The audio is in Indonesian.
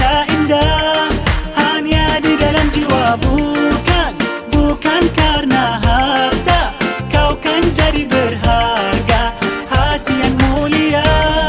ya indah hanya di dalam jiwa bukan bukan karena harta kau kan jadi berharga hati yang mulia